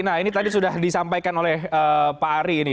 nah ini tadi sudah disampaikan oleh pak ari ini